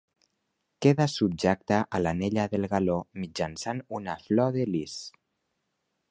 Queda subjecta a l'anella del galó mitjançant una flor de lis.